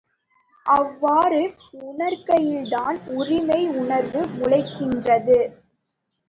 அவ்வாறு உணர்கையில்தான் உரிமை உணர்வு முளைக்கின்றது.